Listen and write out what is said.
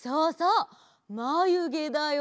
「まゆげ」だよね！